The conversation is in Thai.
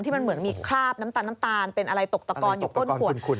มันเหมือนมีคราบน้ำตาลน้ำตาลเป็นอะไรตกตะกอนอยู่ก้นขวด